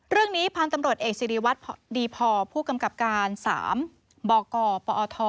เรื่องนี้พันธุ์ตำรวจเอกสิริวัตรดีพอผู้กำกับการ๓บกปอท